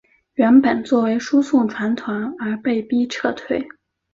原本作为输送船团而被逼撤退。